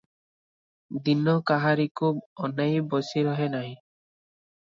ଦିନ କାହାରିକୁ ଅନାଇ ବସିରହେ ନାହିଁ ।